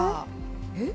えっ？